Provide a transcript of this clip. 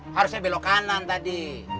harusnya belok kanan tadi